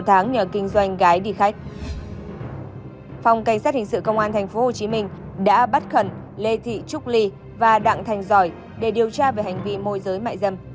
cảnh sát hình sự công an tp hcm đã bắt khẩn lê thị trúc ly và đặng thành giỏi để điều tra về hành vi môi giới mại dâm